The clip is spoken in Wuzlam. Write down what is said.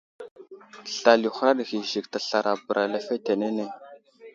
Slal i huraɗ ghay i Zik teslara bəra lefetenene.